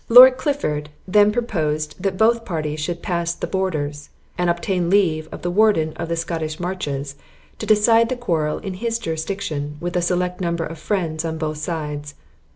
Lord Clifford then proposed that both parties should pass the borders, and obtain leave of the warden of the Scottish marches to decide the quarrel in his jurisdiction, with a select number of friends on both sides.